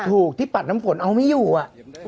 ถูกที่ปัดน้ำฝนเอาไม่อยู่อ่ะ